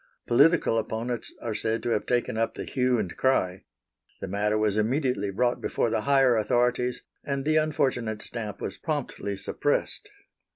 Political opponents are said to have taken up the hue and cry. The matter was immediately brought before the higher authorities, and the unfortunate stamp was promptly suppressed.